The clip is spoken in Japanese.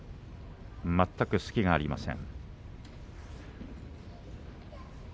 全く隙がありません。